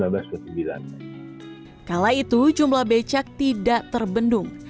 kala itu jumlah becak tidak terbendung